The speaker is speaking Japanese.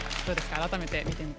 改めて見てみて。